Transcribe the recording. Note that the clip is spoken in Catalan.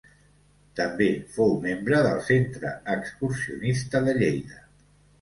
També fou membre del Centre Excursionista de Lleida.